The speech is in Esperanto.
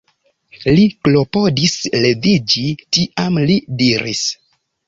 Li klopodis leviĝi, tiam li diris: